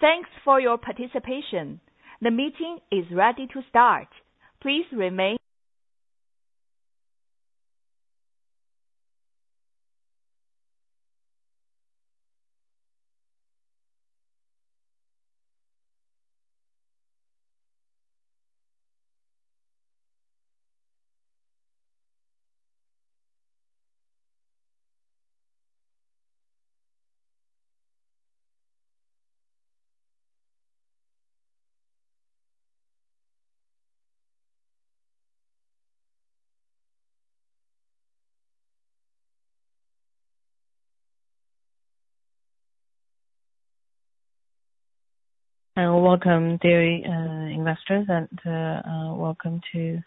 Thanks for your participation. The meeting is ready to start. Please remain. And welcome, dear investors, and welcome to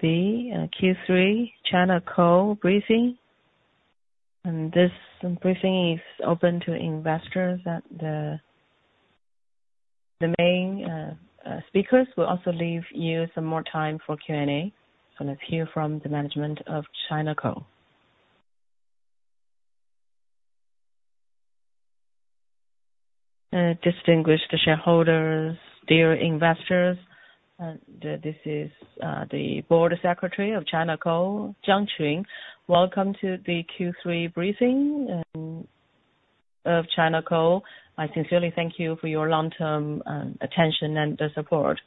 the Q3 China Coal briefing. And this briefing is open to investors, and the main speakers will also leave you some more time for Q&A. So let's hear from the management of China Coal. Distinguished shareholders, dear investors, this is the Board Secretary of China Coal, Jiang Qun. Welcome to the Q3 briefing of China Coal. I sincerely thank you for your long-term attention and the support.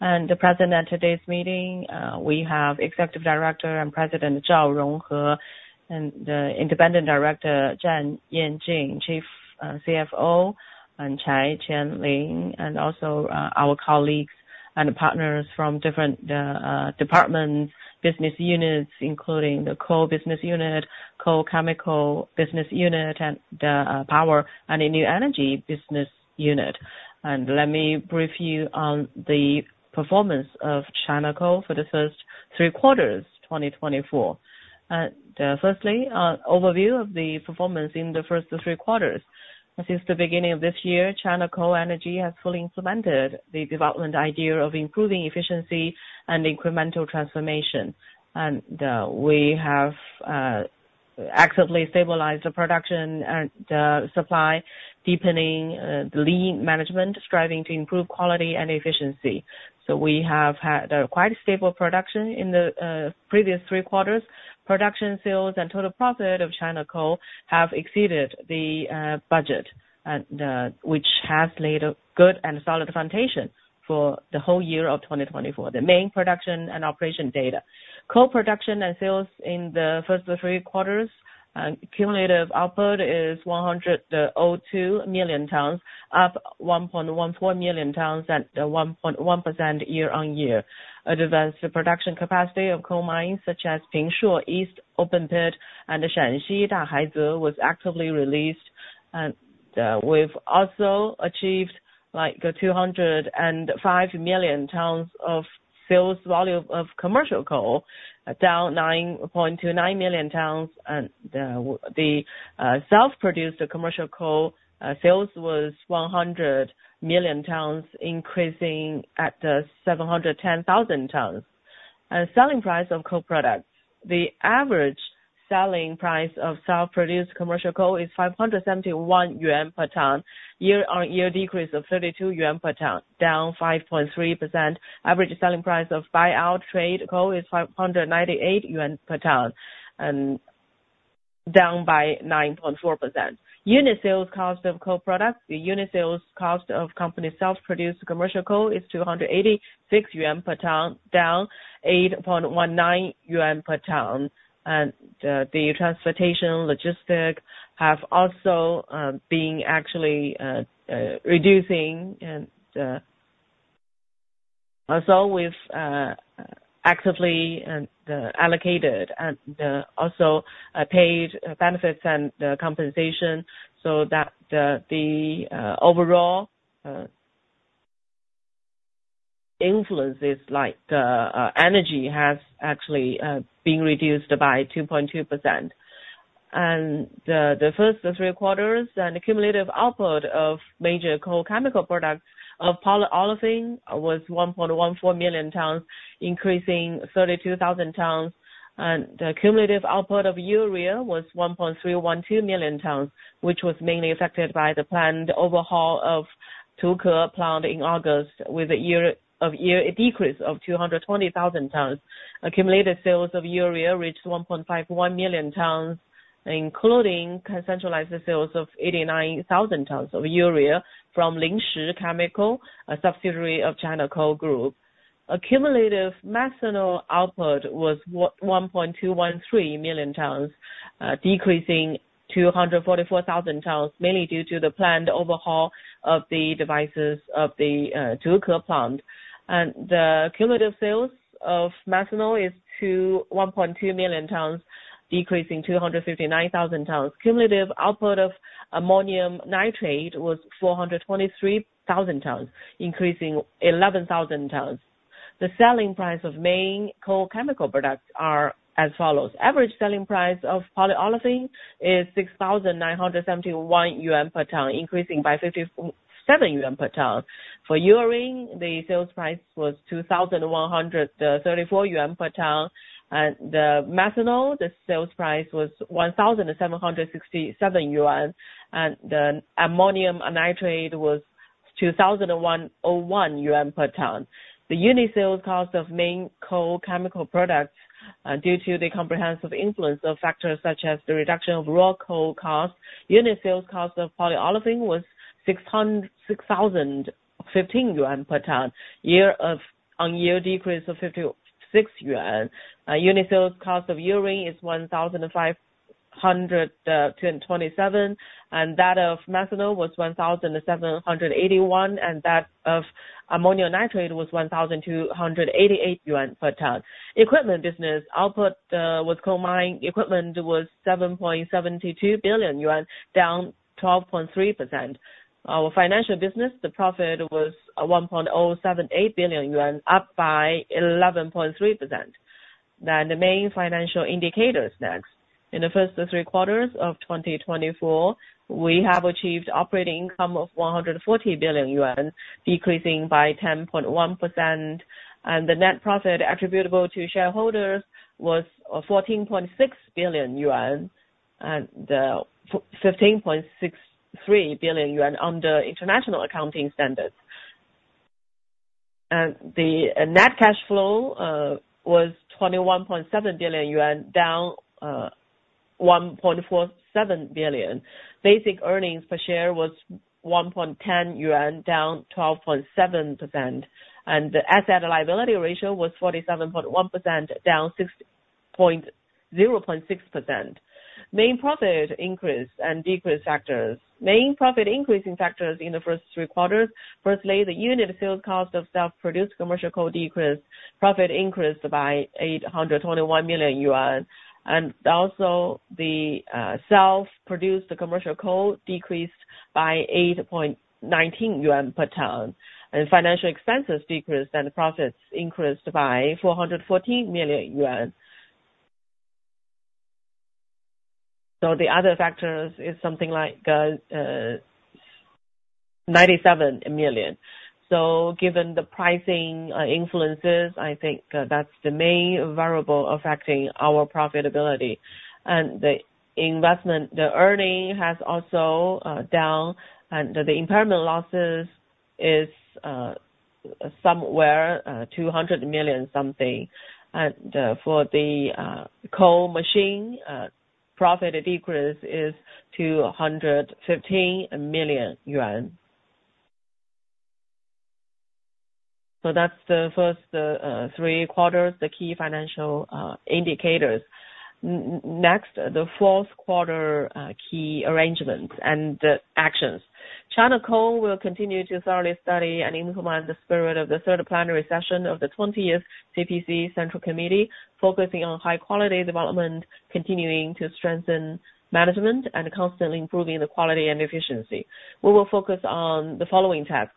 Present at today's meeting, we have Executive Director and President Zhao Rongzhe, and the Independent Director Zhang Chengjie, Chief CFO Chai Qiaolin, and also our colleagues and partners from different departments, business units, including the Coal Business Unit, Coal Chemical Business Unit, and the Power and New Energy Business Unit. Let me brief you on the performance of China Coal for the first three quarters, 2024. Firstly, overview of the performance in the first three quarters. Since the beginning of this year, China Coal Energy has fully implemented the development idea of improving efficiency and incremental transformation. And we have actively stabilized the production and the supply, deepening the lean management, striving to improve quality and efficiency. So we have had quite a stable production in the previous three quarters. Production, sales, and total profit of China Coal have exceeded the budget, and which has laid a good and solid foundation for the whole year of 2024. The main production and operation data. Coal production and sales in the first three quarters, and cumulative output is 102 million tons, up 1.14 million tons at 1.1% year-on-year. Advanced the production capacity of coal mines such as Pingshuo East Open Pit and the Shaanxi Dahaize was actively released. We've also achieved, like, 205 million tons of sales volume of commercial coal, down 9.29 million tons. The self-produced commercial coal sales was 100 million tons, increasing by 710,000 tons. Selling price of coal products. The average selling price of self-produced commercial coal is 571 yuan per ton, year-on-year decrease of 32 yuan per ton, down 5.3%. Average selling price of buy-out trade coal is 598 yuan per ton and down by 9.4%. Unit sales cost of coal products. The unit sales cost of company's self-produced commercial coal is 286 yuan per ton, down 8.19 yuan per ton. The transportation logistics have also been actually reducing and, as always, actively and allocated and also paid benefits and compensation, so that the overall influence is like the energy has actually been reduced by 2.2%. The first three quarters and cumulative output of major coal chemical products of polyolefin was 1.14 million tons, increasing 32,000 tons, and the cumulative output of urea was 1.312 million tons, which was mainly affected by the planned overhaul of Tuke Plant in August, with a year-on-year decrease of 220,000 tons. Accumulated sales of urea reached 1.51 million tons, including centralized sales of 89,000 tons of urea from Lingshi Chemical, a subsidiary of China Coal Group. Accumulated methanol output was 1.213 million tons, decreasing 244,000 tons, mainly due to the planned overhaul of the devices of the Tuke Plant. The cumulative sales of methanol is 1.2 million tons, decreasing 259,000 tons. Cumulative output of ammonium nitrate was 423,000 tons, increasing 11,000 tons. The selling price of main coal chemical products are as follows: average selling price of polyolefin is 6,971 yuan per ton, increasing by 57 yuan per ton. For urea, the sales price was 2,134 yuan per ton, and the methanol, the sales price was 1,767 yuan, and the ammonium nitrate was 2,101 yuan per ton. The unit sales cost of main coal chemical products, due to the comprehensive influence of factors such as the reduction of raw coal costs, unit sales cost of polyolefin was 6,015 yuan per ton, year-on-year decrease of 56 yuan. Unit sales cost of urea is 1,527 RMB, and that of methanol was 1,781 RMB, and that of ammonium nitrate was 1,288 yuan per ton. Equipment business output with coal mining equipment was 7.72 billion yuan, down 12.3%. Our financial business, the profit was 1.078 billion yuan, up by 11.3%. Now, the main financial indicators next. In the first three quarters of 2024, we have achieved operating income of 140 billion yuan, decreasing by 10.1%, and the net profit attributable to shareholders was 14.6 billion yuan, and fifteen point six three billion yuan under International Accounting Standards. And the net cash flow was 21.7 billion yuan, down 1.47 billion. Basic earnings per share was 1.10 yuan, down 12.7%, and the asset-liability ratio was 47.1%, down 0.6%. Main profit increase and decrease factors. Main profit increasing factors in the first three quarters. Firstly, the unit sales cost of self-produced commercial coal decreased, profit increased by 821 million yuan, and also the self-produced commercial coal decreased by 8.19 yuan per ton, and financial expenses decreased and profits increased by 414 million yuan. So the other factors is something like 97 million. So given the pricing influences, I think that's the main variable affecting our profitability. And the investment, the earning has also down, and the impairment losses is somewhere two hundred million something. And for the coal machine profit decrease is RMB 215 million. So that's the first three quarters, the key financial indicators. Next, the fourth quarter key arrangements and actions. China Coal will continue to thoroughly study and implement the spirit of the third plenary session of the twentieth CPC Central Committee, focusing on high quality development, continuing to strengthen management, and constantly improving the quality and efficiency. We will focus on the following tasks.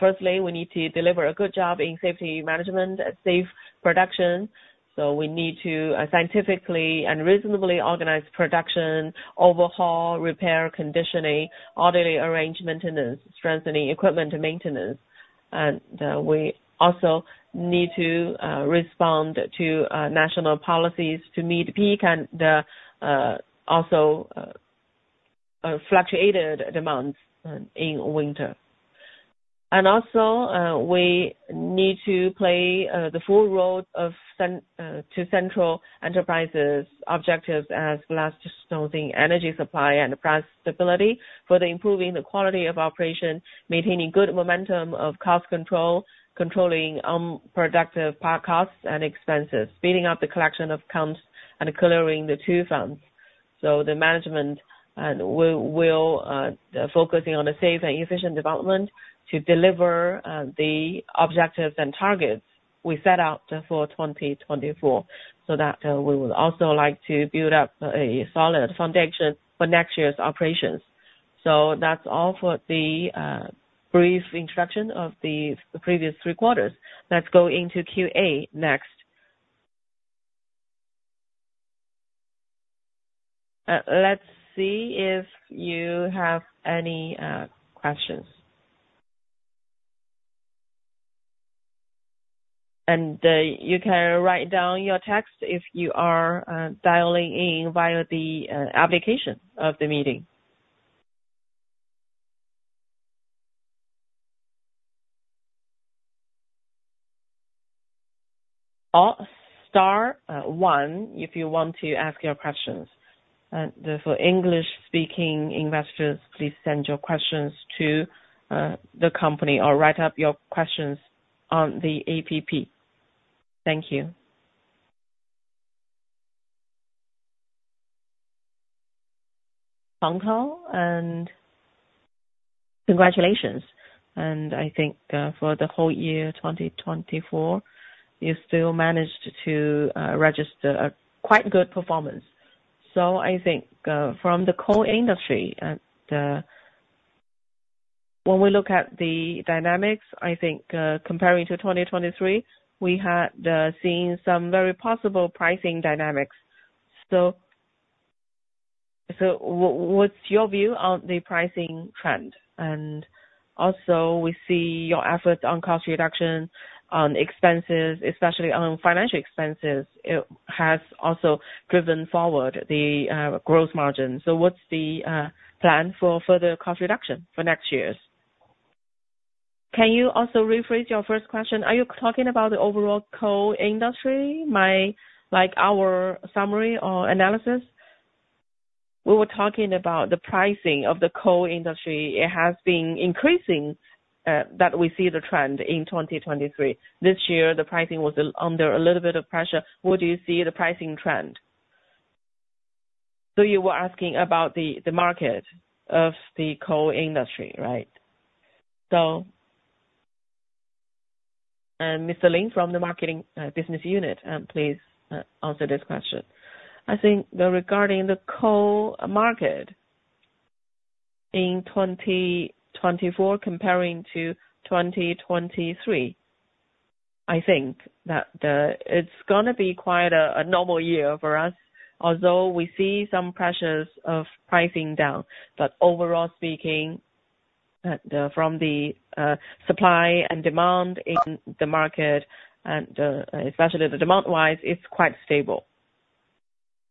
Firstly, we need to deliver a good job in safety management and safe production, so we need to scientifically and reasonably organize production, overhaul, repair, conditioning, orderly arrangement, and strengthening equipment and maintenance. And, we also need to respond to national policies to meet peak and also fluctuated demands in winter. We need to play the full role of central enterprises' objectives as regards to building energy supply and price stability, for improving the quality of operation, maintaining good momentum of cost control, controlling unproductive power costs and expenses, speeding up the collection of accounts, and clearing the two funds. The management will focusing on the safe and efficient development to deliver the objectives and targets we set out for 2024, so that we would also like to build up a solid foundation for next year's operations. That's all for the brief introduction of the previous three quarters. Let's go into Q&A next. Let's see if you have any questions. You can write down your text if you are dialing in via the application of the meeting. Press star one if you want to ask your questions. For English-speaking investors, please send your questions to the company or write up your questions on the app. Thank you. Congratulations. I think for the whole year, 2024, you still managed to register a quite good performance. I think from the coal industry. When we look at the dynamics, I think comparing to 2023, we had seen some very possible pricing dynamics. What's your view on the pricing trend? And also we see your efforts on cost reduction on expenses, especially on financial expenses. It has also driven forward the growth margin. What's the plan for further cost reduction for next years? Can you also rephrase your first question? Are you talking about the overall coal industry? My—like, our summary or analysis? We were talking about the pricing of the coal industry. It has been increasing, that we see the trend in 2023. This year, the pricing was, under a little bit of pressure. Where do you see the pricing trend? You were asking about the market of the coal industry, right? Mr. Ling from the Marketing Business Unit, please answer this question. I think that regarding the coal market in twenty twenty-four comparing to twenty twenty-three, I think that, it's gonna be quite a normal year for us, although we see some pressures of pricing down. But overall speaking, from the supply and demand in the market and, especially the demand-wise, it's quite stable.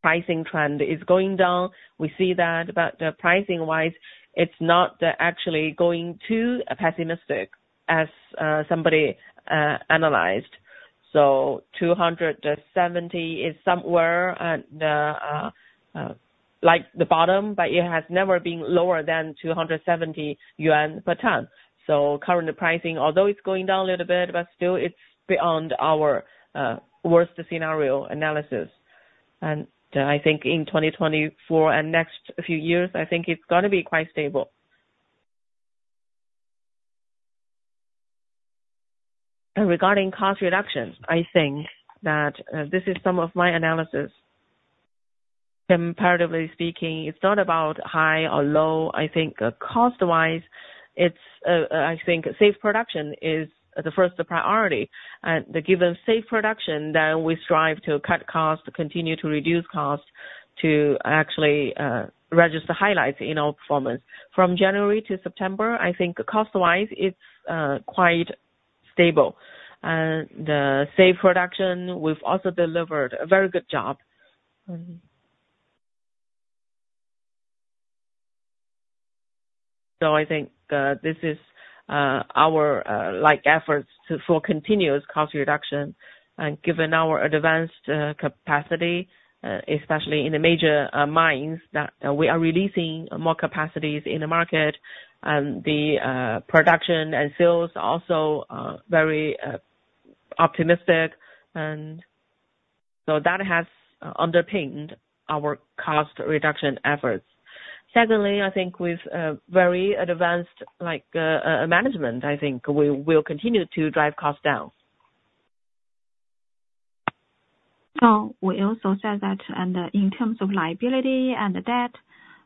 Pricing trend is going down, we see that, but, pricing-wise, it's not actually going too pessimistic as somebody analyzed. So 270 is somewhere at the like the bottom, but it has never been lower than 270 yuan per ton. So current pricing, although it's going down a little bit, but still it's beyond our worst scenario analysis. And I think in twenty twenty-four and next few years, I think it's gonna be quite stable. And regarding cost reductions, I think that this is some of my analysis. Comparatively speaking, it's not about high or low. I think cost-wise, it's, I think safe production is the first priority. And given safe production, then we strive to cut costs, continue to reduce costs, to actually register highlights in our performance. From January to September, I think cost-wise, it's quite stable. And the safe production, we've also delivered a very good job. So I think this is our like efforts to for continuous cost reduction. And given our advanced capacity, especially in the major mines, that we are releasing more capacities in the market, and the production and sales also are very optimistic, and so that has underpinned our cost reduction efforts. Secondly, I think with a very advanced like, management, I think we will continue to drive costs down. So we also said that, and in terms of liability and the debt,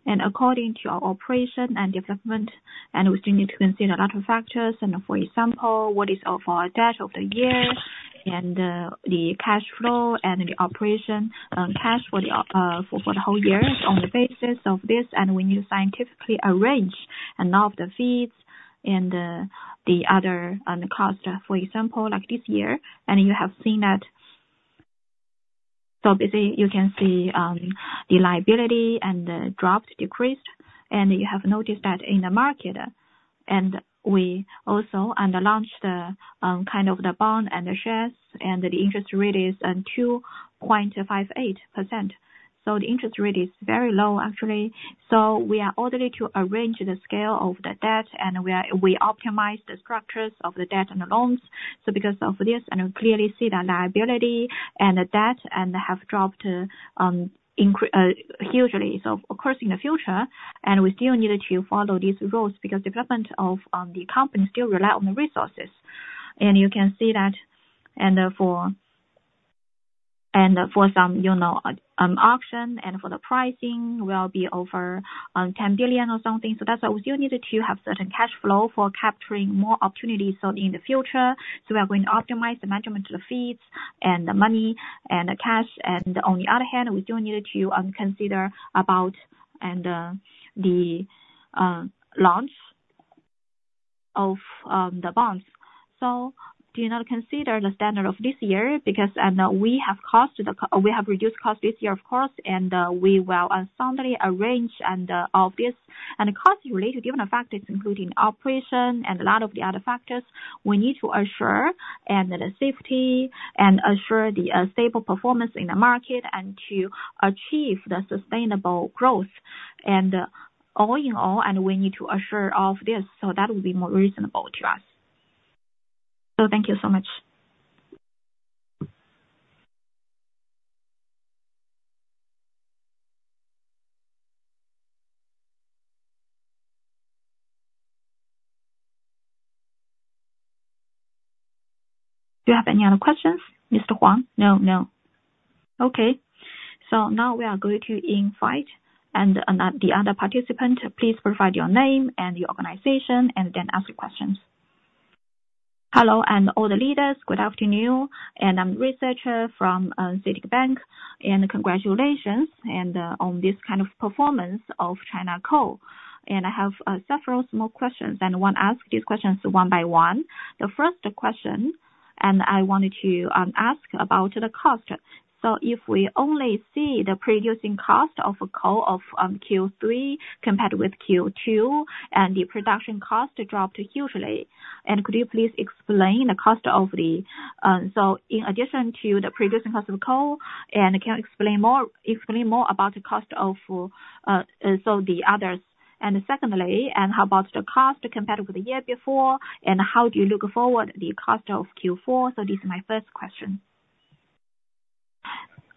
and according to our operation and development, and we still need to consider a lot of factors. For example, what is our debt of the year and the cash flow and the operating cash for the whole year on the basis of this, and we need to scientifically arrange all of the fees and the other cost. For example, like this year, and you have seen that. Basically, you can see the liability and the debt decreased, and you have noticed that in the market. We also launched kind of the bond and the shares, and the interest rate is 2.58%. The interest rate is very low, actually. So we are orderly to arrange the scale of the debt, and we optimize the structures of the debt and the loans. So because of this, we clearly see the liability and the debt have dropped hugely. Of course, in the future, we still need to follow these rules, because development of the company still rely on the resources. And you can see that, for some auction and for the pricing will be over 10 billion or something. So that's why we still need to have certain cash flow for capturing more opportunities, so in the future, we are going to optimize the management of the fees and the money and the cash. And on the other hand, we still needed to consider about and the launch of the bonds. So do you not consider the standard of this year? Because we have reduced costs this year, of course, and we will assemble, arrange and all this. And the cost related, given the factors, including operation and a lot of the other factors, we need to assure the safety and assure the stable performance in the market and to achieve the sustainable growth. And all in all, we need to assure all of this, so that will be more reasonable to us. So thank you so much. Do you have any other questions, Mr. Huang? No, no. Okay, so now we are going to invite and the other participant, please provide your name and your organization and then ask your questions. Hello, and all the leaders, good afternoon. And I'm researcher from CITIC Bank, and congratulations and on this kind of performance of China Coal. And I have several small questions, and I want to ask these questions one by one. The first question, and I wanted to ask about the cost. So if we only see the producing cost of coal of Q3 compared with Q2, and the production cost dropped hugely. And could you please explain the cost of the. So in addition to the producing cost of coal, and can you explain more about the cost of so the others. Secondly, how about the cost compared with the year before, and how do you look forward the cost of Q4? This is my first question.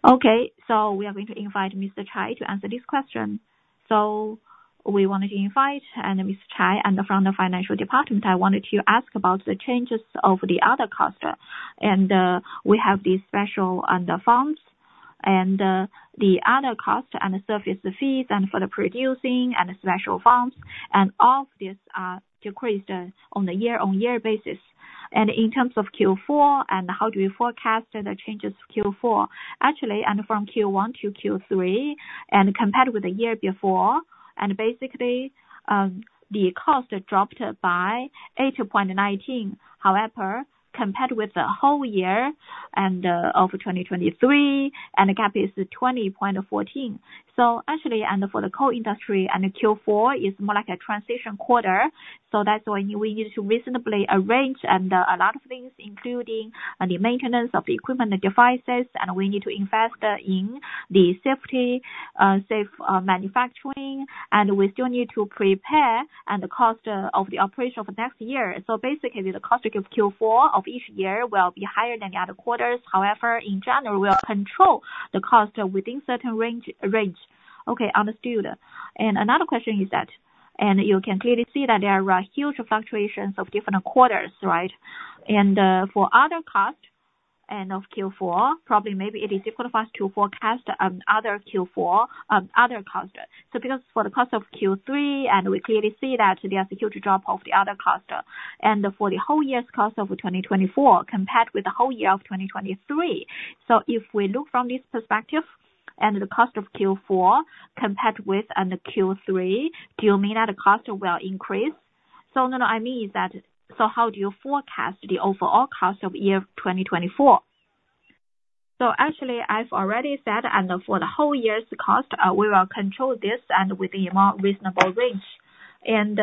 Okay, we are going to invite Mr. Chai to answer this question. We wanted to invite Mr. Chai from the Financial Department. I wanted to ask about the changes of the other cost. We have these special forms and the other cost and surface fees and for the producing and special forms, and all of these are decreased on a year-on-year basis. In terms of Q4, how do you forecast the changes Q4? Actually, from Q1 to Q3 compared with the year before, basically, the cost dropped by 8.19%. However, compared with the whole year of 2023, the gap is 20.14. So actually, for the coal industry, the Q4 is more like a transition quarter, so that's why we need to reasonably arrange a lot of things, including the maintenance of the equipment, the devices, and we need to invest in the safety, safe manufacturing, and we still need to prepare the cost of the operation for next year. So basically, the cost of Q4 of each year will be higher than the other quarters. However, in general, we'll control the cost within certain range. Okay, understood. Another question is that you can clearly see that there are huge fluctuations of different quarters, right? And for other costs and of Q4, probably maybe it is difficult for us to forecast other Q4 other costs. So because for the cost of Q3, and we clearly see that there's a huge drop of the other cost, and for the whole year's cost of 2024, compared with the whole year of 2023. So if we look from this perspective, and the cost of Q4 compared with and the Q3, do you mean that the cost will increase? So no, no, I mean is that, so how do you forecast the overall cost of year 2024? So actually, I've already said, and for the whole year's cost, we will control this and within a more reasonable range. And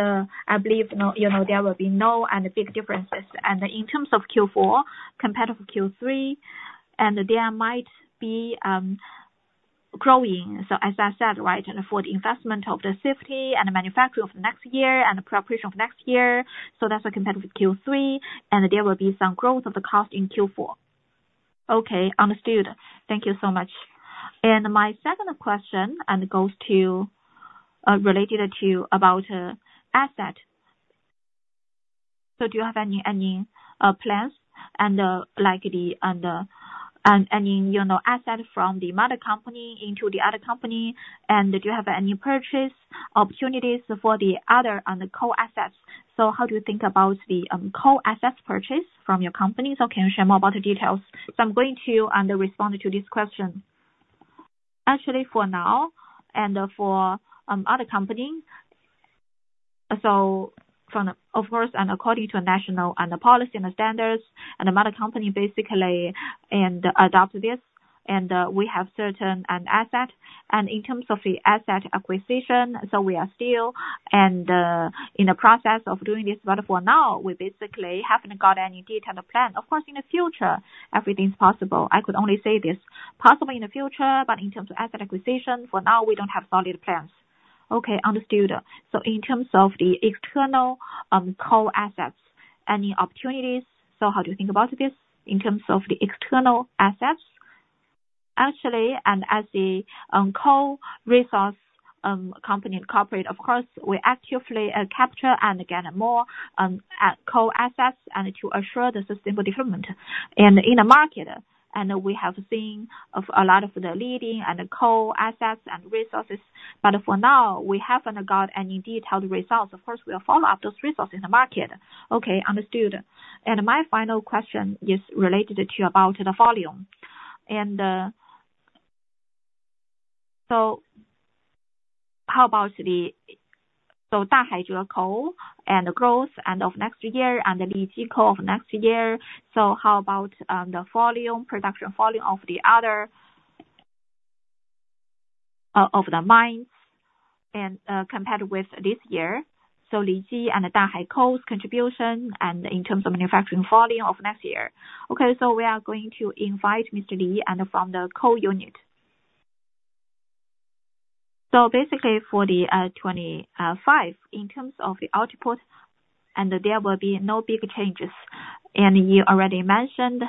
I believe no, you know, there will be no and big differences. And in terms of Q4 compared to Q3, and there might be growing. So as I said, right, and for the investment of the safety and the manufacture of next year and the preparation of next year, so that's compared with Q3, and there will be some growth of the cost in Q4. Okay, understood. Thank you so much. And my second question, and goes to related to about asset. So do you have any plans and like the and you know asset from the mother company into the other company, and do you have any purchase opportunities for the other on the coal assets? So how do you think about the coal assets purchase from your company? So can you share more about the details? So I'm going to respond to this question. Actually, for now, and for other company, so, of course, and according to national policy and the standards, and the mother company basically, and adopt this, and we have certain asset. And in terms of the asset acquisition, so we are still in the process of doing this, but for now, we basically haven't got any detailed plan. Of course, in the future, everything is possible. I could only say this, possibly in the future, but in terms of asset acquisition, for now, we don't have solid plans. Okay, understood. So in terms of the external coal assets, any opportunities? So how do you think about this in terms of the external assets? Actually, and as the coal resource company corporate, of course, we actively capture and gain more coal assets and to assure the sustainable development. And in the market, and we have seen of a lot of the leading and the coal assets and resources, but for now, we haven't got any detailed results. Of course, we'll follow up those resources in the market. Okay, understood. And my final question is related to about the volume. And, so how about the... So Dahaize Coal and the growth and of next year and the Libi Coal of next year, so how about the volume, production volume of the other of the mines and compared with this year? So Libi and Dahaize Coals' contribution and in terms of manufacturing volume of next year. Okay, so we are going to invite Mr. Li, and from the coal unit. So basically for 2025, in terms of the output, and there will be no big changes. And you already mentioned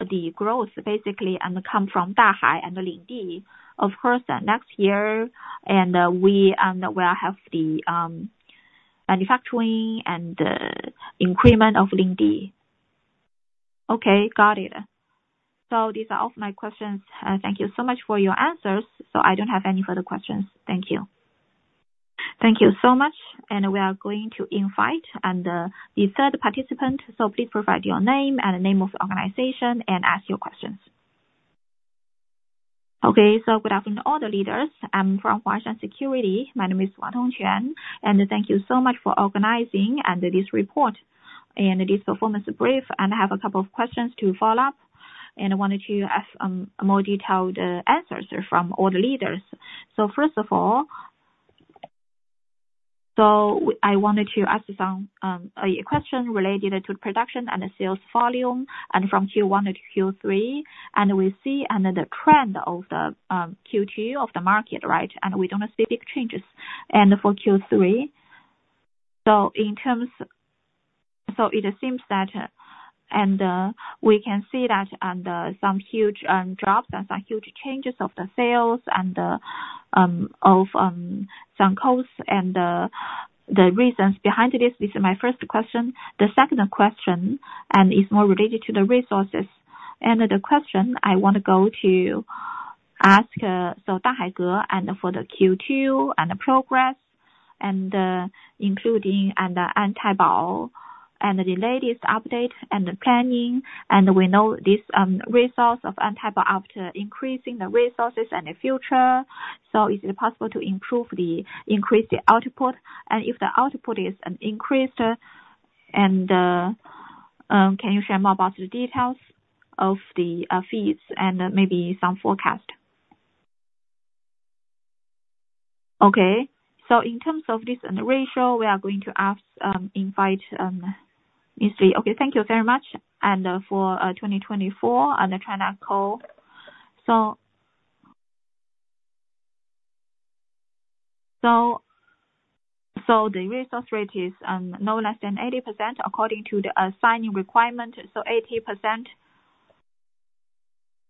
the growth basically come from Dahai and Libi, of course, the next year, and we will have the manufacturing and increment of Libi. Okay, got it. So these are all my questions. Thank you so much for your answers. So I don't have any further questions. Thank you. Thank you so much. And we are going to invite the third participant, so please provide your name and the name of your organization, and ask your questions. Okay. So good afternoon to all the leaders. I'm from Huaxi Securities. My name is Wu Tongquan, and thank you so much for organizing this report and this performance brief. And I have a couple of questions to follow up, and I wanted to ask more detailed answers from all the leaders. So first of all, so I wanted to ask you a question related to production and sales volume, and from Q1 to Q3, and we see under the trend of the Q2 of the market, right? And we don't see big changes. And for Q3, so it seems that we can see that under some huge drops and some huge changes of the sales and of some costs and the reasons behind this. This is my first question. The second question and is more related to the resources. And the question I want to go to ask, so Dahaize and for the Q2 and the progress, and including Antaibao, and the latest update and the planning. And we know this, resource of Antai, after increasing the resources in the future, so is it possible to improve the, increase the output? And if the output is increased, and can you share more about the details of the, fees and maybe some forecast? Okay. So in terms of this and the ratio, we are going to ask, invite, Ms. Li. Okay, thank you very much. And for 2024 and the China Coal. So the resource rate is no less than 80% according to the assigning requirement, so 80%.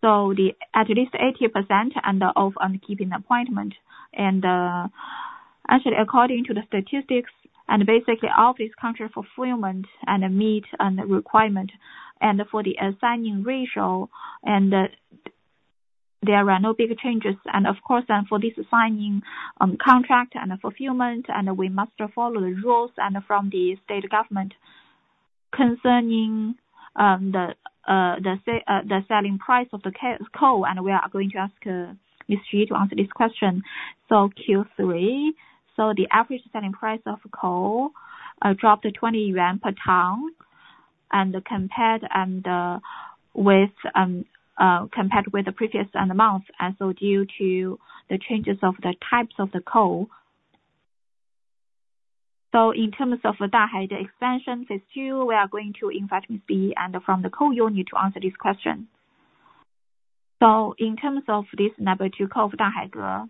So the at least 80% and of keeping appointment. Actually, according to the statistics, and basically all these contract fulfillment and meet the requirement and for the signing ratio, and there are no big changes. Of course, for this signing contract and fulfillment, and we must follow the rules from the state government concerning the selling price of the coal, and we are going to ask Mr. Zhao to answer this question. Q3, the average selling price of coal dropped to RMB 20 per ton, and compared with the previous month, and due to the changes of the types of the coal. In terms of the Dahaize expansion, phase two, we are going to invite Ms. Li from the coal unit to answer this question. So in terms of this number two, coal of Dahaize,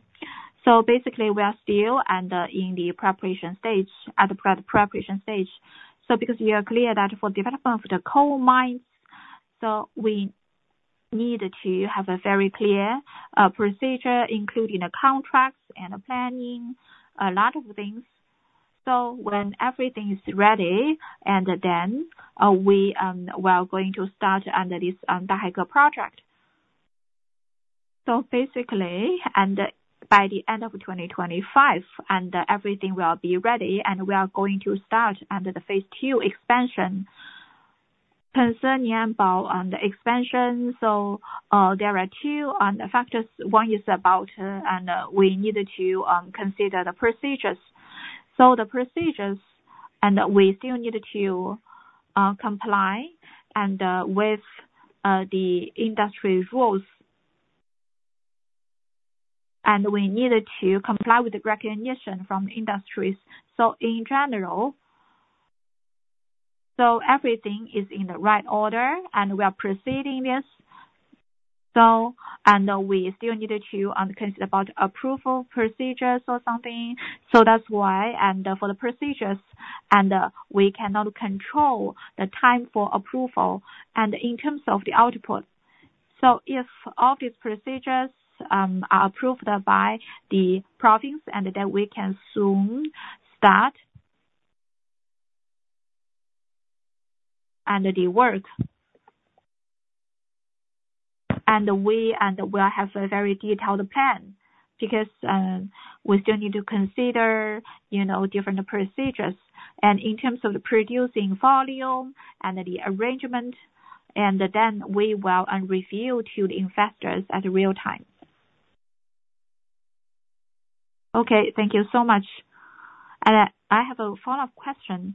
basically we are still in the preparation stage, at the pre-preparation stage. Because we are clear that for development of the coal mines, we need to have a very clear procedure, including the contracts and the planning, a lot of things. When everything is ready, and then we are going to start under this Dahaize project. Basically, by the end of twenty twenty-five, everything will be ready, and we are going to start under the phase two expansion. Concerning about the expansion, so there are two factors. One is about we needed to consider the procedures. So the procedures, and we still needed to comply with the industry's rules. We needed to comply with the recognition from industries. In general, everything is in the right order, and we are proceeding this. We still needed to consider about approval procedures or something. That's why, for the procedures, we cannot control the time for approval and in terms of the output. If all these procedures are approved by the province, then we can soon start the work. We will have a very detailed plan, because we still need to consider, you know, different procedures. In terms of the producing volume and the arrangement, then we will reveal to the investors at real time. Okay, thank you so much. I have a follow-up question.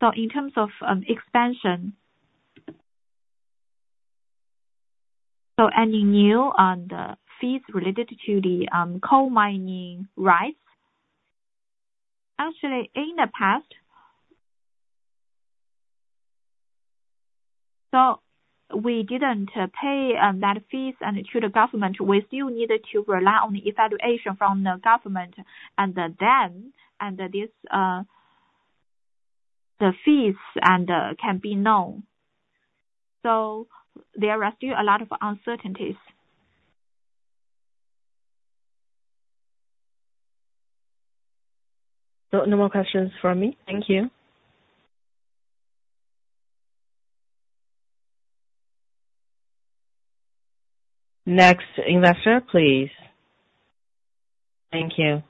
In terms of expansion, any new fees related to the coal mining rights? Actually, in the past... We didn't pay that fees to the government. We still needed to rely on the evaluation from the government, and then, and this.... the fees and can be known. So there are still a lot of uncertainties. So no more questions from me. Thank you. Next investor, please. Thank you.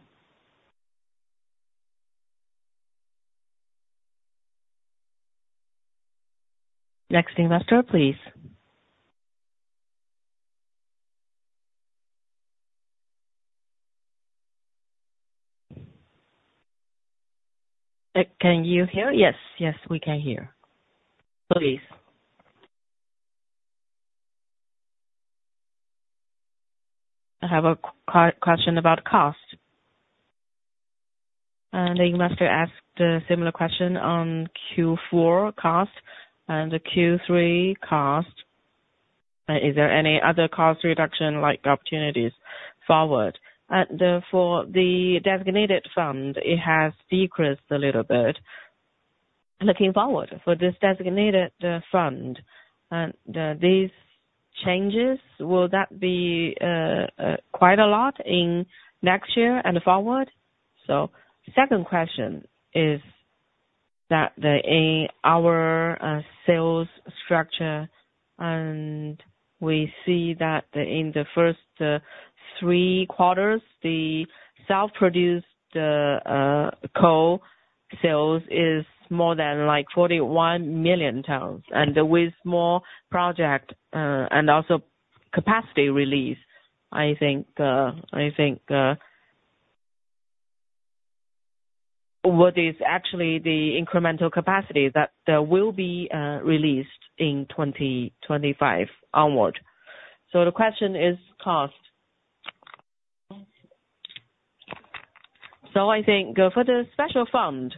Next investor, please. Can you hear? Yes. Yes, we can hear. Please. I have a question about cost. And the investor asked a similar question on Q4 cost and the Q3 cost. Is there any other cost reduction like opportunities forward? And, for the designated fund, it has decreased a little bit. Looking forward for this designated fund and these changes, will that be quite a lot in next year and forward? So second question is that the, in our sales structure, and we see that the, in the first three quarters, the self-produced coal sales is more than like forty-one million tons. And with more project and also capacity release, I think, what is actually the incremental capacity that will be released in twenty twenty-five onward? So the question is cost. I think for the special fund,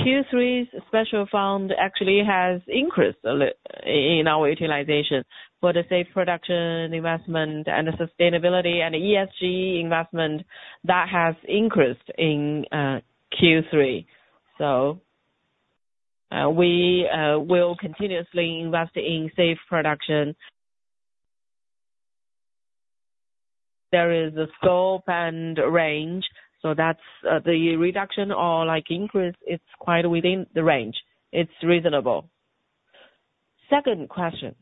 Q3's special fund actually has increased a little in our utilization. For the safe production investment and the sustainability and ESG investment, that has increased in Q3. So we will continuously invest in safe production. There is a scope and range, so that's the reduction or like increase; it's quite within the range. It's reasonable. Second question.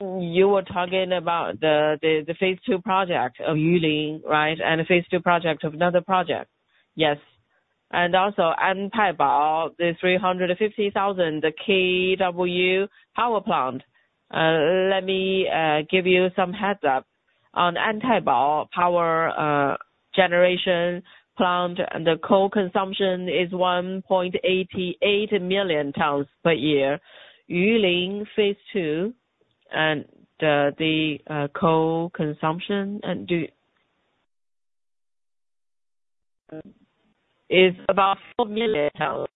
You were talking about the phase two project of Yulin, right? And the phase two project of another project. Yes. And also, Antaibao, the 350,000 kW power plant. Let me give you some heads up. On Antaibao power generation plant, and the coal consumption is 1.88 million tons per year. Yulin phase two and the coal consumption is about 4 million tons.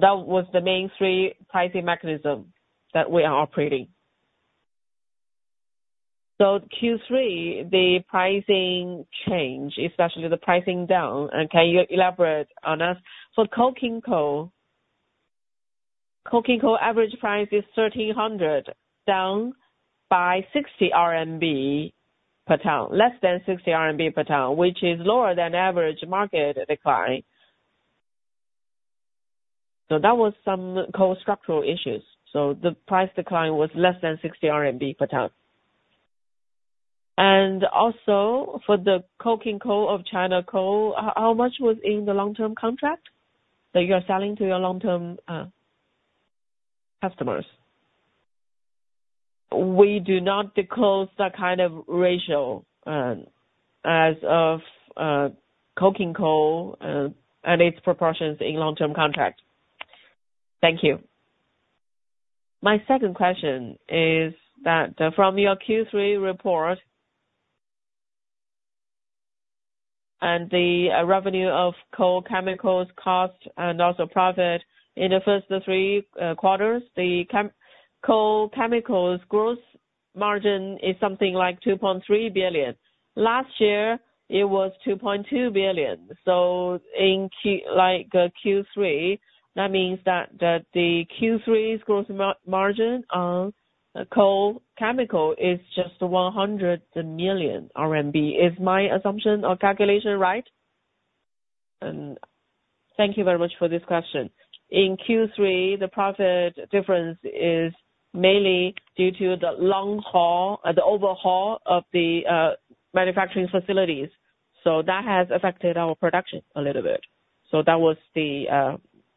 That was the main three pricing mechanism that we are operating. Q3, the pricing change, especially the pricing down, and can you elaborate on us? For coking coal, coking coal average price is 1,300, down by 60 RMB per ton, less than 60 RMB per ton, which is lower than average market decline. That was some coal structural issues. The price decline was less than 60 RMB per ton. And also, for the coking coal of China Coal, how much was in the long-term contract that you are selling to your long-term customers? We do not disclose that kind of ratio, as for coking coal, and its proportions in long-term contract. Thank you. My second question is that, from your Q3 report, and the revenue of coal chemicals cost and also profit in the first three quarters, the coal chemicals gross margin is something like 2.3 billion. Last year, it was 2.2 billion. So in Q3, that means that the Q3's gross margin on coal chemical is just 100 million RMB. Is my assumption or calculation right? Thank you very much for this question. In Q3, the profit difference is mainly due to the long haul, the overhaul of the manufacturing facilities. So that has affected our production a little bit. So that was the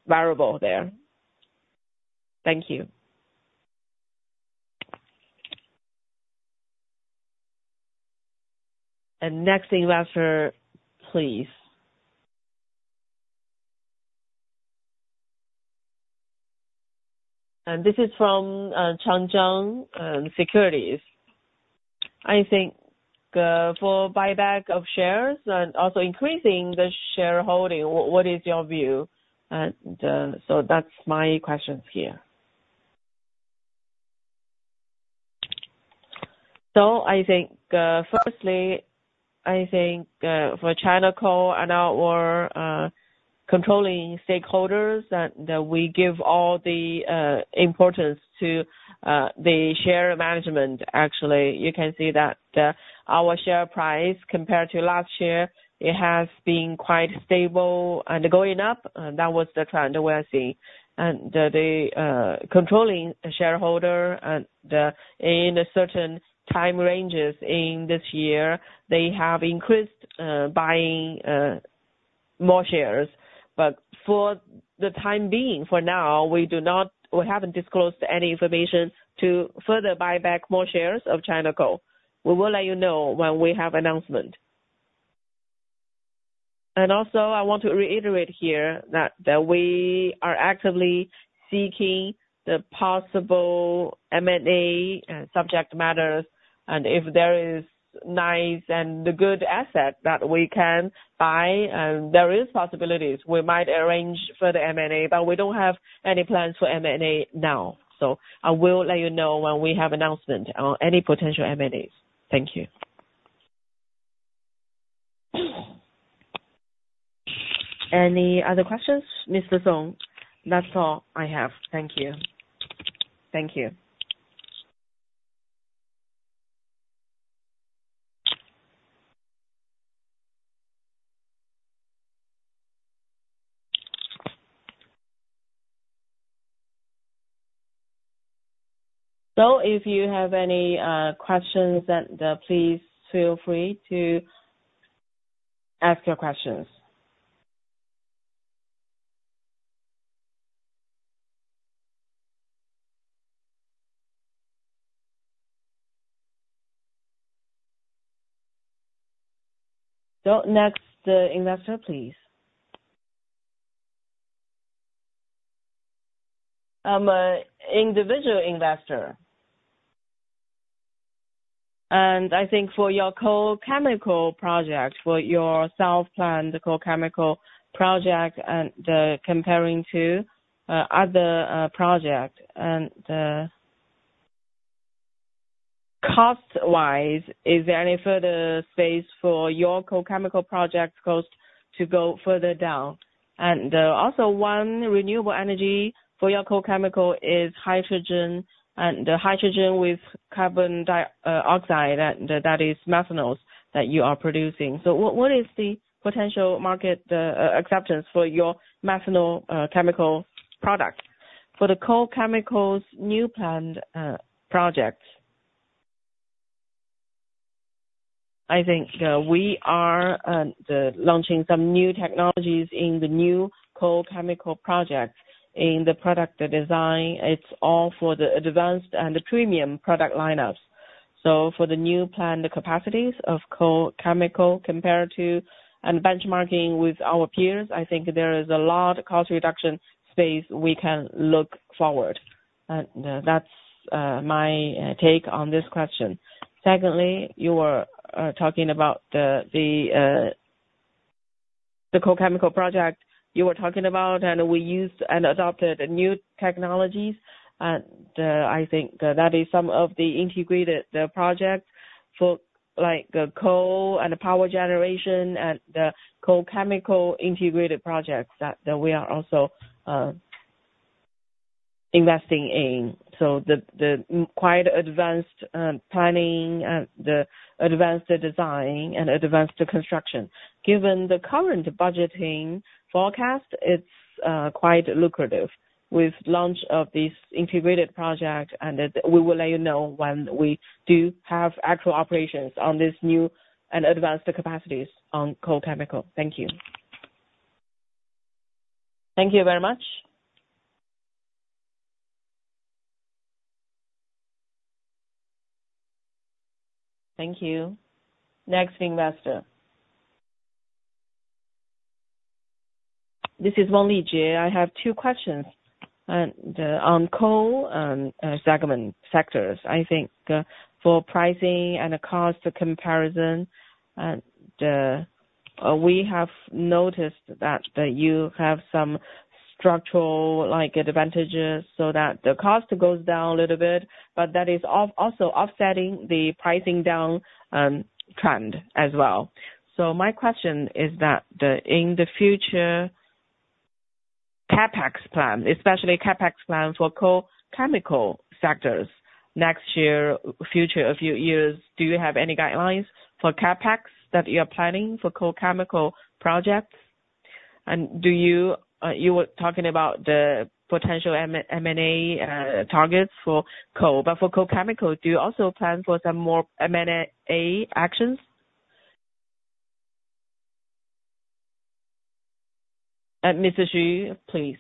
variable there. Thank you. And next investor, please. And this is from Changjiang Securities. I think, for buyback of shares and also increasing the shareholding, what is your view? And, so that's my questions here. So I think, firstly, I think, for China Coal and our, controlling stakeholders, that we give all the importance to the share management. Actually, you can see that, our share price compared to last year, it has been quite stable and going up, and that was the trend we are seeing. And the controlling shareholder and, in a certain time ranges in this year, they have increased buying more shares. But for the time being, for now, we do not, we haven't disclosed any information to further buy back more shares of China Coal. We will let you know when we have announcement. Also, I want to reiterate here that we are actively seeking the possible M&A subject matters, and if there is nice and a good asset that we can buy, there is possibilities. We might arrange for the M&A, but we don't have any plans for M&A now. I will let you know when we have announcement on any potential M&As. Thank you. Any other questions, Mr. Song? That's all I have. Thank you. Thank you. If you have any questions, then please feel free to ask your questions. Next investor, please. I'm a individual investor. I think for your coal chemical project, for your self-planned coal chemical project, and comparing to other project, and cost-wise, is there any further space for your coal chemical project cost to go further down? Also, one renewable energy for your coal chemical is hydrogen, and hydrogen with carbon dioxide, and that is methanol that you are producing. So what is the potential market acceptance for your methanol chemical product? For the coal chemicals new planned project, I think we are launching some new technologies in the new coal chemical project. In the product design, it's all for the advanced and the premium product lineups. So for the new planned capacities of coal chemical compared to, and benchmarking with our peers, I think there is a lot of cost reduction space we can look forward. And, that's my take on this question. Secondly, you were talking about the, the... The coal chemical project you were talking about, and we used and adopted new technologies, and I think that is some of the integrated, the project for like the coal and the power generation and the coal chemical integrated projects that we are also investing in. So the quite advanced planning and the advanced design and advanced construction. Given the current budgeting forecast, it's quite lucrative with launch of this integrated project, and we will let you know when we do have actual operations on this new and advanced capacities on coal chemical. Thank you. Thank you very much. Thank you. Next investor. This is Wang Lijie. I have two questions. And on coal and segment sectors, I think for pricing and cost comparison, and we have noticed that you have some structural, like, advantages so that the cost goes down a little bit, but that is also offsetting the pricing down trend as well. So my question is that in the future CapEx plan, especially CapEx plan for coal chemical sectors next year, future, a few years, do you have any guidelines for CapEx that you're planning for coal chemical projects? And do you you were talking about the potential M&A targets for coal, but for coal chemical, do you also plan for some more M&A actions? Mr. Zhao, please.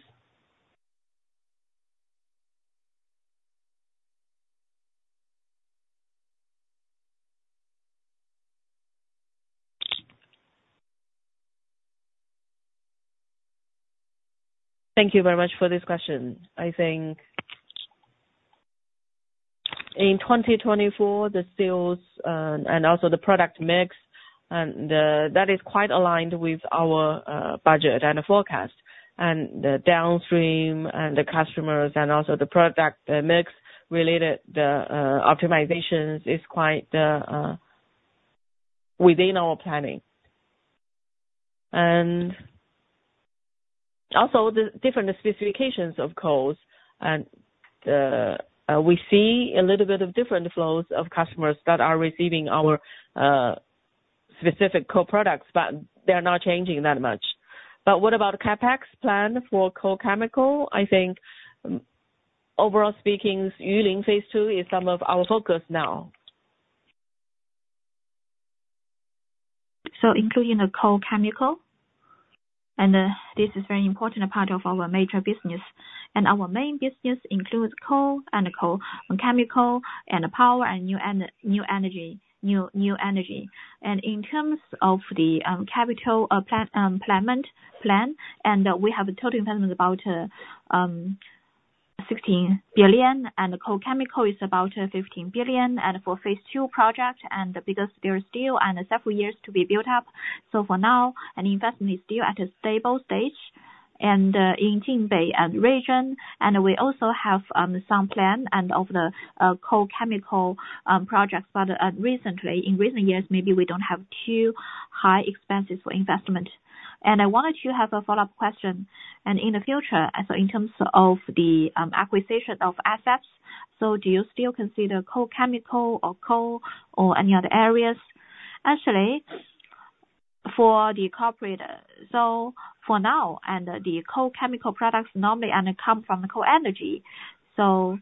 Thank you very much for this question. I think in 2024, the sales and also the product mix, and that is quite aligned with our budget and the forecast, and the downstream and the customers, and also the product mix related, the optimizations is quite within our planning. And also the different specifications of coals, and we see a little bit of different flows of customers that are receiving our specific coal products, but they're not changing that much. But what about CapEx plan for coal chemical? I think overall speaking, Yulin Phase Two is some of our focus now. Including the coal chemical, and this is very important part of our major business. Our main business includes coal and chemical, and power, and new energy. In terms of the capital plan, we have a total investment about 16 billion, and the coal chemical is about 15 billion, and for phase two project, and because they are still several years to be built up. For now, any investment is still at a stable stage, and in Jinbei region. We also have some plans for the coal chemical projects, but recently, in recent years, maybe we don't have too high expenses for investment. And I wanted to have a follow-up question, and in the future, and so in terms of the acquisition of assets, so do you still consider coal chemical or coal, or any other areas? Actually, for the corporate, so for now, and the coal chemical products normally, and they come from the coal energy. So,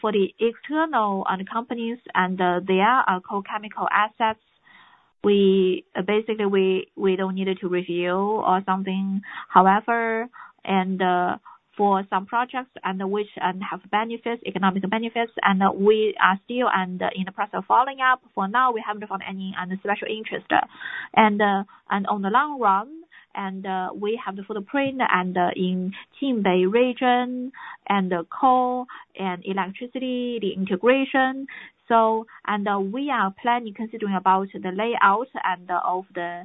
for the external and companies and their coal chemical assets, we basically we don't need it to review or something. However, and for some projects and which have benefits, economical benefits, and we are still and in the process of following up. For now, we haven't found any special interest. And, and on the long run, and we have the footprint and in Jinbei region, and the coal and electricity, the integration. We are planning, considering about the layout and of the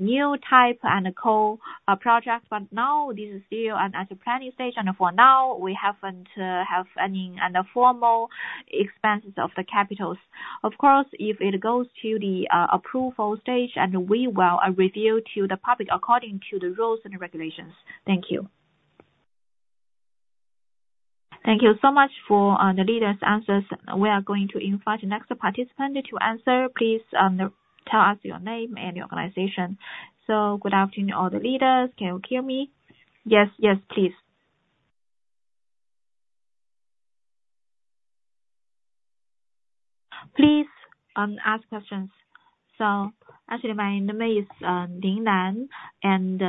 new type and the coal project, but now this is still at the planning stage, and for now, we haven't have any and a formal expenses of the capitals. Of course, if it goes to the approval stage, and we will review to the public according to the rules and regulations. Thank you. Thank you so much for the leaders' answers. We are going to invite the next participant to answer. Please tell us your name and your organization. Good afternoon, all the leaders. Can you hear me? Yes, yes, please. Please ask questions. Actually, my name is Lin Lan, and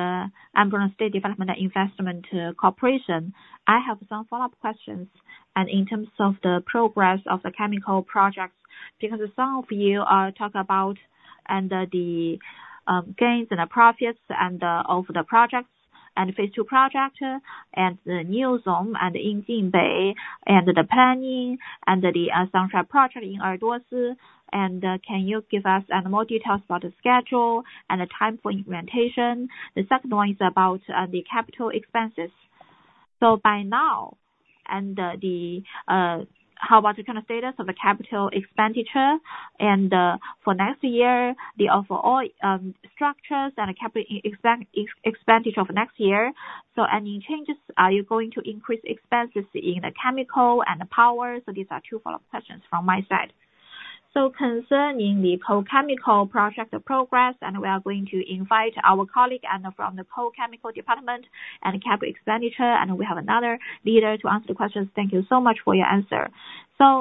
I'm from State Development and Investment Corporation. I have some follow-up questions, and in terms of the progress of the chemical projects, because some of you talk about and the gains and the profits and of the projects and phase two project, and the new zone and in Jinbei, and the planning, and the sunshine project in Ordos, and can you give us more details about the schedule and the time for implementation? The second one is about the capital expenses. By now, how about the current status of the capital expenditure? For next year, the overall structures and the capital expenditure for next year. Any changes, are you going to increase expenses in the chemical and the power? These are two follow-up questions from my side. Concerning the coal chemical project progress, we are going to invite our colleague from the Coal Chemical Department and Capital Expenditure, and we have another leader to answer the questions. Thank you so much for your answer.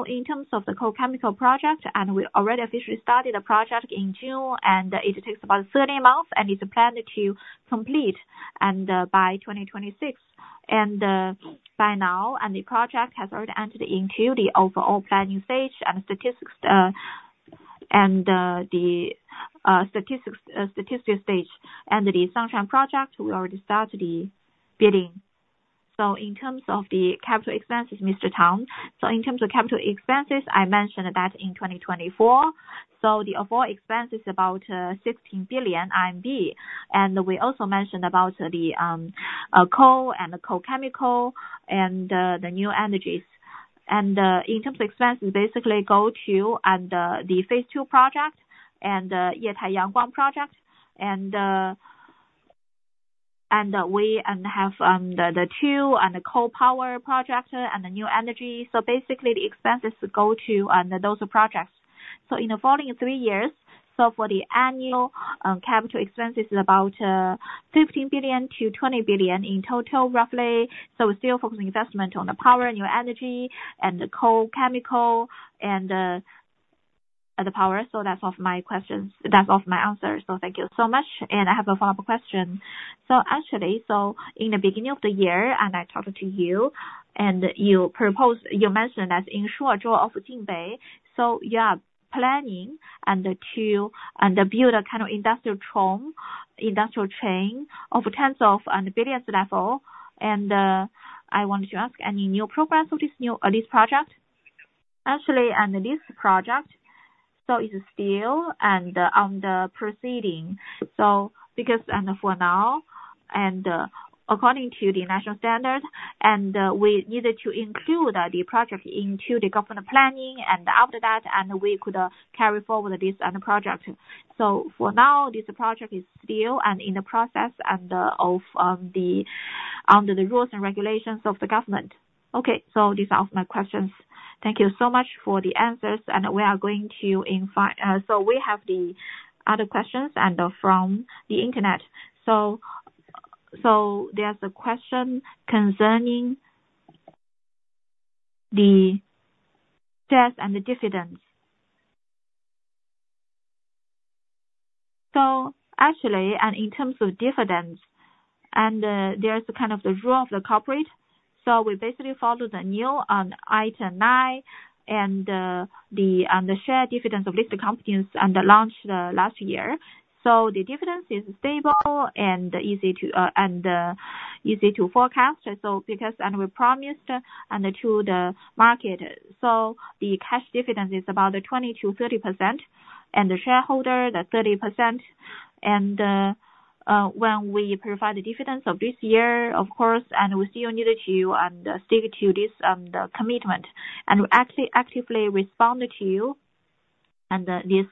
In terms of the coal chemical project, we already officially started the project in June, and it takes about 13 months, and it's planned to complete by 2026. By now, the project has already entered into the overall planning stage and statistics stage. The Sunshine Project, we already started the bidding. In terms of the capital expenses, Mr. Tang, in terms of capital expenses, I mentioned that in 2024, the overall expense is about 16 billion RMB. And we also mentioned about the coal and the coal chemical and the new energies. In terms of expense, basically go to the phase two project and Yetai Yangguang project and we have the two and the coal power project and the new energy. So basically, the expenses go to those projects. In the following three years, for the annual capital expenses is about 15 billion-20 billion in total, roughly. So we're still focusing investment on the power, new energy, and the coal chemical and the power. So that's all for my questions. That's all for my answers. So thank you so much. And I have a follow-up question. Actually, in the beginning of the year, I talked to you, and you proposed. You mentioned that in Shuozhou of Jinbei, you are planning to build a kind of industrial chain of tens of billions level. I wanted to ask any new progress of this new project. Actually, this project is still on the proceeding. Because for now, according to the national standard, we needed to include the project into the government planning. After that, we could carry forward with this project. For now, this project is still in the process, under the rules and regulations of the government. Okay. These are all my questions. Thank you so much for the answers, and we are going to invite the other questions from the internet. There's a question concerning the debt and the dividends. Actually, in terms of dividends, there's a kind of the rule of the corporate. We basically follow the New Nine Articles, and the share dividends of listed companies launched last year. The dividends is stable and easy to forecast. Because we promised to the market. The cash dividend is about 20%-30%, and the shareholder, the 30%. When we provide the dividends of this year, of course we still needed to stick to this the commitment. And we actually actively responded to you and this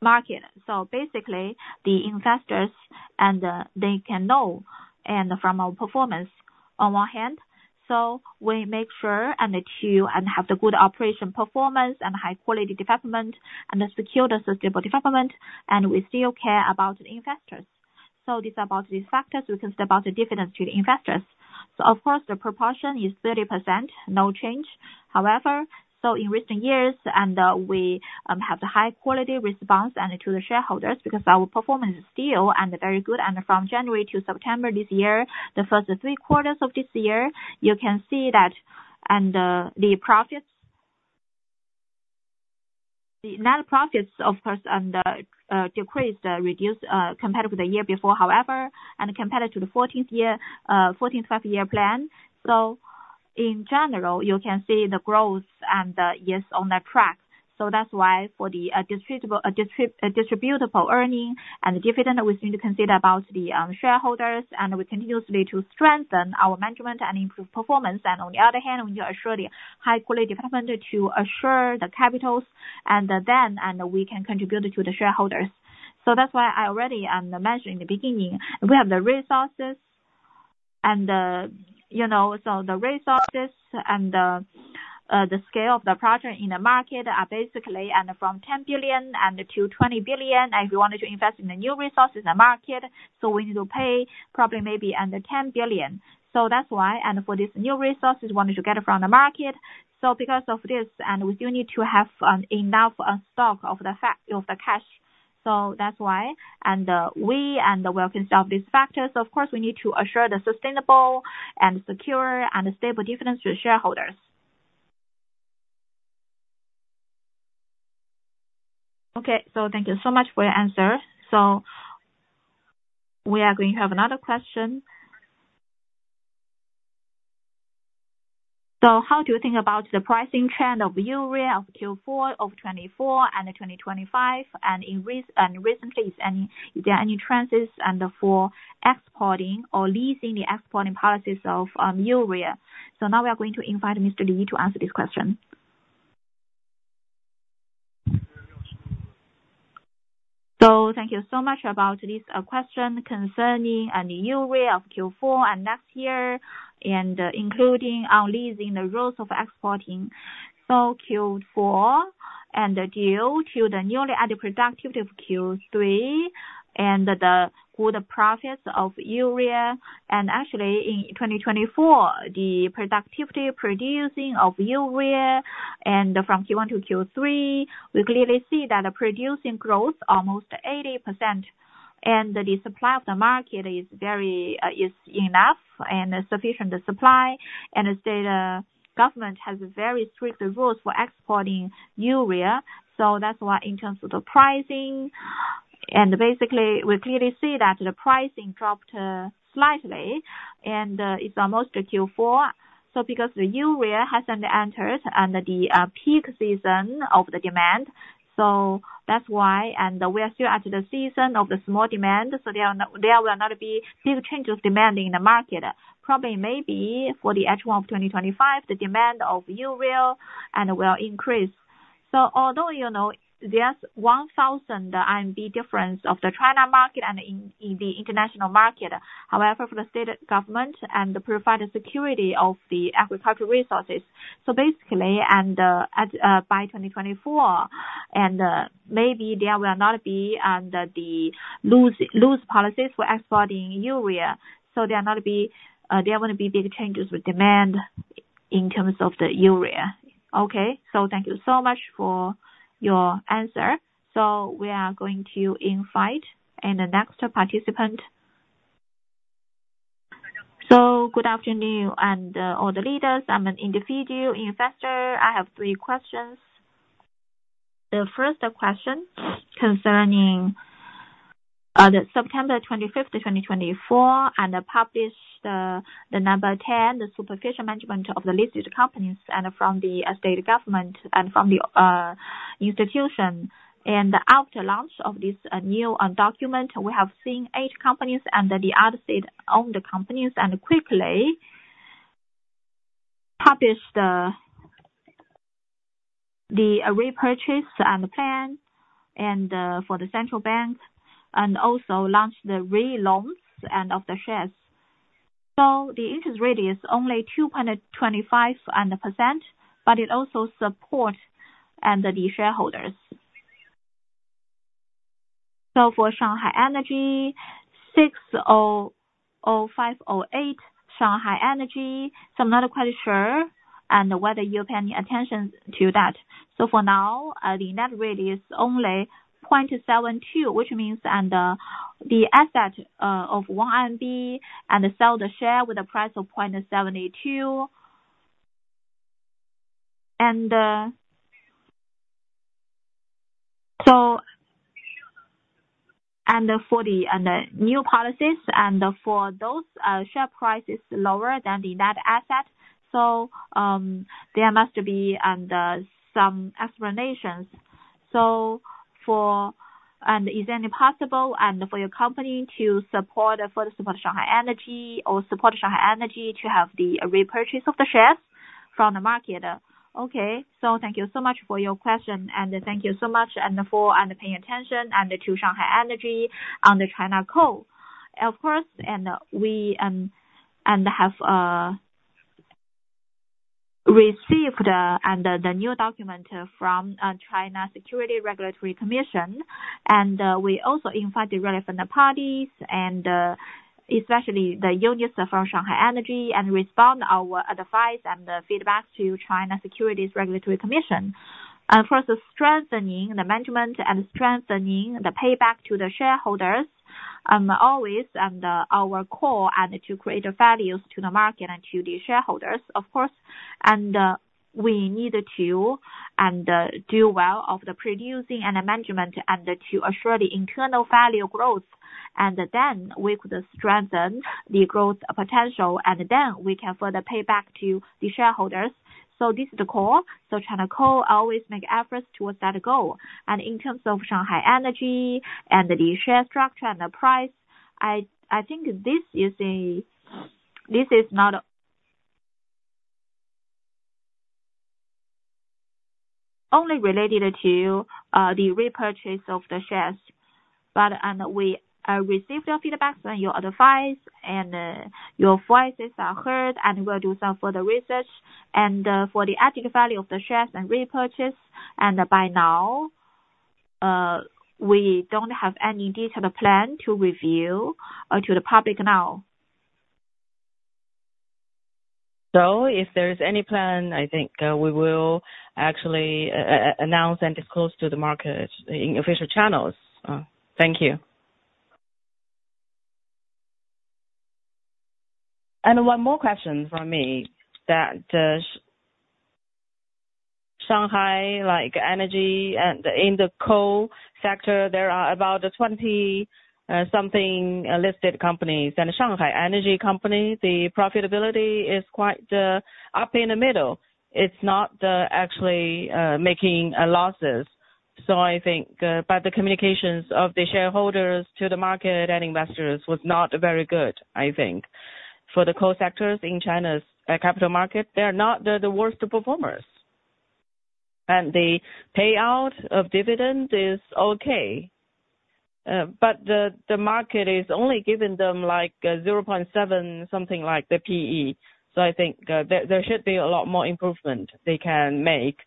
market. So basically, the investors and they can know and from our performance on one hand, so we make sure and that you and have the good operation performance and high quality development, and secure the sustainable development, and we still care about the investors. So this is about these factors, we can say about the dividend to the investors. So of course, the proportion is 30%, no change. However, so in recent years and we have the high quality response and to the shareholders, because our performance is still and very good. And from January to September this year, the first three quarters of this year, you can see that, and the profits, the net profits, of course, and decreased, reduced compared with the year before, however, and compared to the 14th Five-Year Plan. So in general, you can see the growth and the years on the track. So that's why for the distributable earning and the dividend, we need to consider about the shareholders, and we continuously to strengthen our management and improve performance. And on the other hand, we need to assure the high quality development to assure the capitals, and then, and we can contribute to the shareholders. So that's why I already mentioned in the beginning, we have the resources and, you know, the scale of the project in the market are basically, and from 10 billion and to 20 billion, and we wanted to invest in the new resources in the market, so we need to pay probably maybe under 10 billion. So that's why, and for this new resources, we wanted to get it from the market. So because of this, and we do need to have enough stock of the cash. So that's why, and, we and the work of these factors, of course, we need to assure the sustainable and secure and stable dividends to the shareholders. Okay, so thank you so much for your answer. So we are going to have another question. How do you think about the pricing trend of urea of Q4 of 2024 and 2025, and regarding recently, is there any trends for exporting or regarding the exporting policies of urea? Now we are going to invite Mr. Li to answer this question. Thank you so much about this question concerning the urea of Q4 and next year, and including the rules of exporting. Q4, due to the newly added productivity of Q3 and the good profits of urea, and actually in 2024, the productivity producing of urea from Q1 to Q3, we clearly see that the producing growth almost 80%, and the supply of the market is very enough, and sufficient supply, and the state government has very strict rules for exporting urea. That's why in terms of the pricing, and basically, we clearly see that the pricing dropped slightly, and it's almost to Q4. Because the urea hasn't entered the peak season of the demand, so that's why, and we are still at the season of the small demand, so there will not be big changes in demand in the market. Probably, maybe for the H1 of 2025, the demand for urea will increase. Although, you know, there's 1,000 RMB difference between the China market and the international market, however, for the state government to provide the security of the agricultural resources. Basically, by 2024, maybe there will not be the loose policies for exporting urea, so there'll be there won't be big changes with demand in terms of the urea. Okay. Thank you so much for your answer. We are going to invite the next participant. Good afternoon, all the leaders. I'm an individual investor. I have three questions. The first question concerning the September twenty-fifth, 2024, and the published number 10, the standardized management of the listed companies, and from the state government and from the institution. After launch of this new document, we have seen eight companies and the other state-owned companies and quickly published the repurchase and the plan, and for the central bank and also launched the re-loans and of the shares. The interest rate is only 2.25%, but it also supports the shareholders. For Shanghai Energy, 600508, Shanghai Energy. I'm not quite sure whether you pay any attention to that. For now, the net rate is only 0.72, which means the asset of RMB and sell the share with a price of RMB 0.782. For the new policies, for those share price is lower than the net asset. There must be some explanations. Is it possible for your company to support for the support of Shanghai Energy or support Shanghai Energy to have the repurchase of the shares from the market? Okay, thank you so much for your question, and thank you so much for paying attention to Shanghai Energy and the China Coal. Of course, we have received the new document from China Securities Regulatory Commission. We also invite the relevant parties, especially the unions from Shanghai Energy, and respond our advice and the feedback to China Securities Regulatory Commission. For the strengthening the management and strengthening the payback to the shareholders, always our core to create values to the market and to the shareholders, of course. We need to, and, do well of the producing and the management, and to assure the internal value growth, and then we could strengthen the growth potential, and then we can further pay back to the shareholders. This is the core. China Coal always make efforts towards that goal. In terms of Shanghai Energy and the share structure and the price, I think this is a, this is not only related to the repurchase of the shares, but, and we receive your feedbacks and your advice, and your voices are heard, and we'll do some further research, and for the added value of the shares and repurchase, and by now, we don't have any detailed plan to review or to the public now. So if there is any plan, I think, we will actually announce and disclose to the market in official channels. Thank you. And one more question from me, that Shanghai Energy and in the coal sector, there are about 20, something, listed companies. Shanghai Energy company, the profitability is quite up in the middle. It's not actually making losses. So I think, but the communications of the shareholders to the market and investors was not very good, I think. For the coal sectors in China's capital market, they're not the worst performers, and the payout of dividends is okay. But the market is only giving them like zero point seven, something like the PE. So I think, there should be a lot more improvement they can make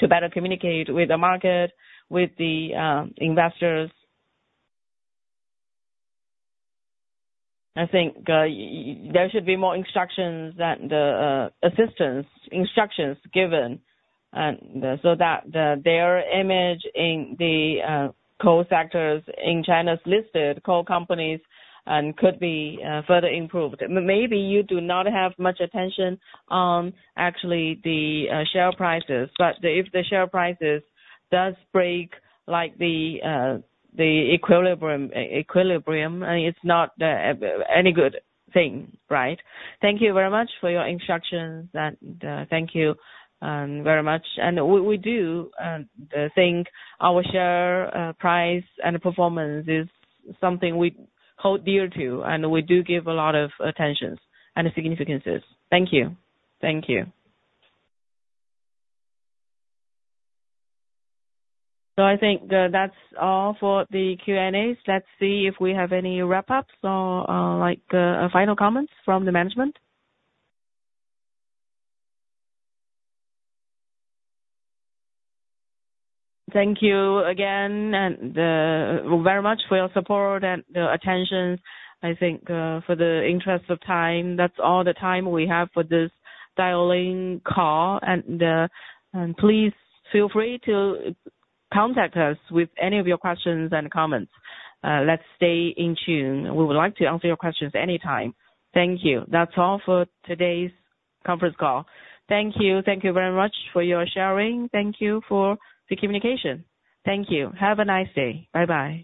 to better communicate with the market, with the investors. I think, there should be more instructions and, assistance, instructions given, and so that their image in the coal sectors in China's listed coal companies could be further improved. Maybe you do not have much attention on actually the share prices, but if the share prices does break, like the equilibrium, it's not any good thing, right? Thank you very much for your instructions, and thank you very much. And we do think our share price and performance is something we hold dear to, and we do give a lot of attentions and significances. Thank you. Thank you. So I think, that's all for the Q&As. Let's see if we have any wrap-ups or, like, final comments from the management. Thank you again, and very much for your support and attention. I think, for the interest of time, that's all the time we have for this dial-in call, and please feel free to contact us with any of your questions and comments. Let's stay in tune. We would like to answer your questions anytime. Thank you. That's all for today's conference call. Thank you. Thank you very much for your sharing. Thank you for the communication. Thank you. Have a nice day. Bye-bye.